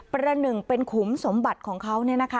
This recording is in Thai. ประหนึ่งเป็นขุมสมบัติของเขา